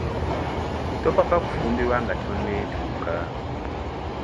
Topapa kufumbirwa nga tonetuuka.